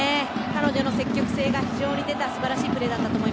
彼女の積極性が非常に出た素晴らしいプレーでした。